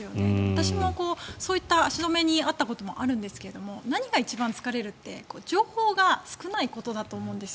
私もそういった足止めに遭ったこと、あるんですが何が一番疲れるって情報が少ないことだと思うんです。